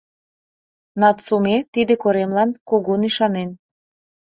Нацуме тиде коремлан кугун ӱшанен.